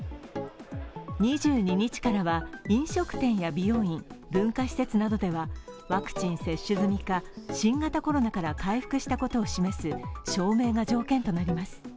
２２日からは、飲食店や美容院、文化施設などではワクチン接種済みか新型コロナから回復したことを示す証明が条件となります。